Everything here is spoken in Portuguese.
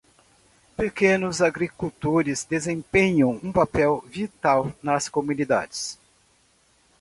Pequenos agricultores desempenham um papel vital nas comunidades.